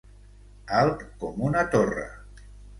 Alt com una torre.